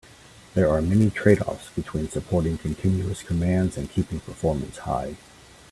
There are many trade-offs between supporting continuous commands and keeping performance high.